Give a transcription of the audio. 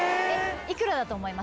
いくらだと思います？